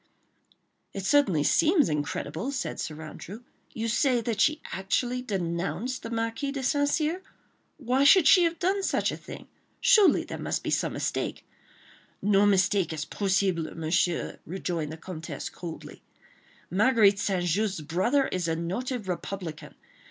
"It certainly seems incredible," said Sir Andrew. "You say that she actually denounced the Marquis de St. Cyr? Why should she have done such a thing? Surely there must be some mistake—" "No mistake is possible, Monsieur," rejoined the Comtesse, coldly. "Marguerite St. Just's brother is a noted republican.